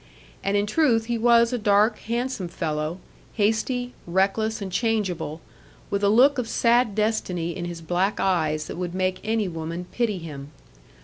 And in truth he was a dark, handsome fellow, hasty, reckless, and changeable, with a look of sad destiny in his black eyes that would make any woman pity him.